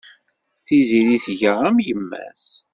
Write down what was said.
Tiziri tga am yemma-s.